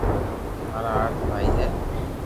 مارا ھات ڀائي ھي